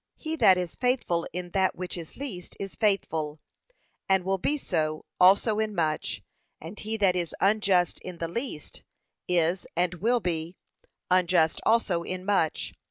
He that is faithful in that which is least is faithful, and will be so, also in much; and he that is unjust in the least, is, and will be, unjust also in much.